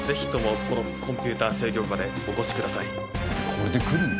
これで来るの？